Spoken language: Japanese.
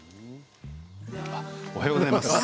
おはようございます。